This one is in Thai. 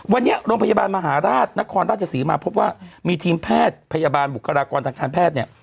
วันนี้โรงพยาบาลมหาราชนครราชศรีมาพบว่ามีทีมแพทย์พยาบาลบุคลากรทางการแพทย์เนี่ย